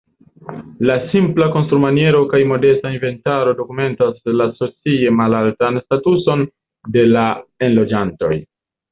La simpla konstrumaniero kaj modesta inventaro dokumentas la socie malaltan statuson de la enloĝantoj.